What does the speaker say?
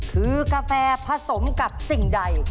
คือกาแฟผสมกับสิ่งใด